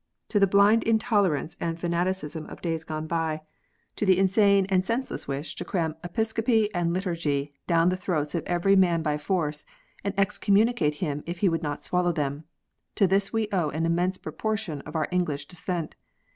To the blind intolerance and fanaticism of days gone by, to the insane and 80 KNOTS UNTIED. senseless wish to cram Episcopacy and Liturgy down the throats of every man by force, and excommunicate him if he would not swallow them, to this we owe an immense proportion of our English Dissent.